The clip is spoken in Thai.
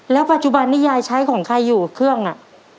แล้วปัจจุบันนี้ยายใช้ของใครอยู่เครื่องอ่ะ